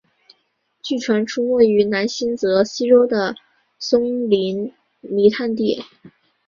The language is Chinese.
据传出没于南新泽西州的松林泥炭地。